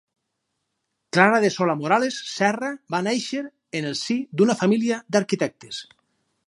Clara de Solà-Morales Serra va néixer en el si d'una família d'arquitectes.